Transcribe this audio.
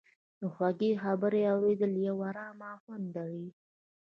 د خوږې خبرې اورېدل یو ارامه خوند لري.